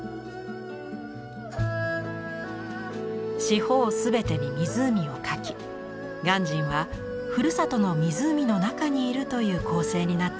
四方全てに湖を描き鑑真はふるさとの湖の中にいるという構成になっています。